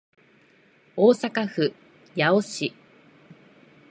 大阪府八尾市